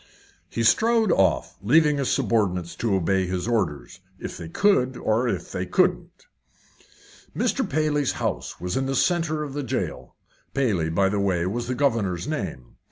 He strode off, leaving his subordinates to obey his orders if they could, or if they couldn't. Mr. Paley's house was in the centre of the jail. Paley, by the way, was the governor's name.